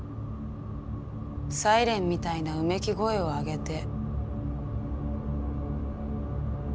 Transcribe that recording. サイレンみたいなうめき声を上げて。